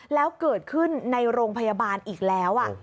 แล้วเกิดขึ้นในโรงพยาบาลอีกแล้ว